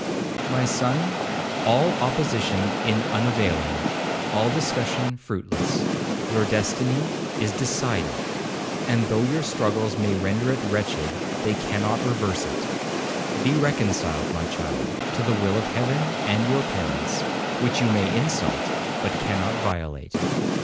'My son, all opposition in unavailing, all discussion fruitless. Your destiny is decided, and though your struggles may render it wretched, they cannot reverse it. Be reconciled, my child, to the will of Heaven and your parents, which you may insult, but cannot violate.